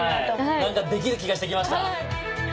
できる気がしてきました。